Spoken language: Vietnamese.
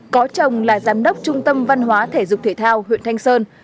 có chồng là giám đốc trung tâm văn hóa thể dục thể thao huyện thanh sơn